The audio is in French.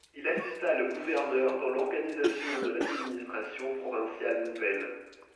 Il assista le gouverneur dans l'organisation de l'administration provinciale nouvelle.